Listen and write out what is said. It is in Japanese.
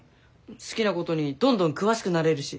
好きなことにどんどん詳しくなれるし。